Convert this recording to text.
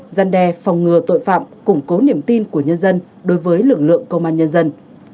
giăn đe phòng ngừa tội phạm củng cố niềm tin của nhân dân đối với lực lượng công an nhân dân